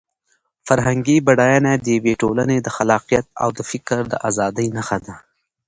فرهنګي بډاینه د یوې ټولنې د خلاقیت او د فکر د ازادۍ نښه ده.